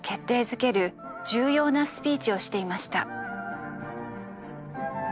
づける重要なスピーチをしていました。